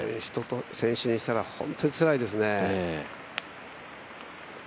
選手にしたら本当につらいですね。